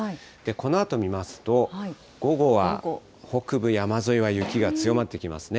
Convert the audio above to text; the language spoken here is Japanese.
このあと見ますと、午後は北部山沿いは雪が強まってきますね。